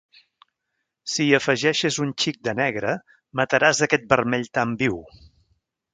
Si hi afegeixes un xic de negre, mataràs aquest vermell tan viu.